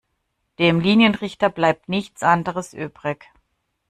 Dem Linienrichter bleibt nichts anderes übrig.